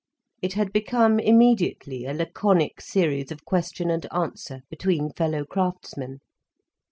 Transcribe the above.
It had become immediately a laconic series of question and answer between fellow craftsmen.